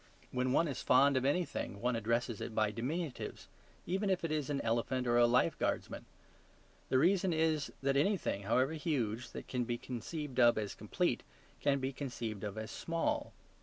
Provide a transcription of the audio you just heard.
When one is fond of anything one addresses it by diminutives, even if it is an elephant or a life guardsman. The reason is, that anything, however huge, that can be conceived of as complete, can be conceived of as small.